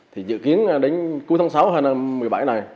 thì dự kiến đến cuối tháng sáu hay năm một mươi bảy này